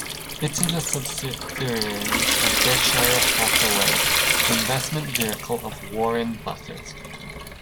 It is a subsidiary of Berkshire Hathaway, the investment vehicle of Warren Buffett.